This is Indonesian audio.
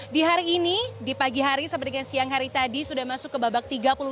di hari ini di pagi hari sampai dengan siang hari tadi sudah masuk ke babak tiga puluh dua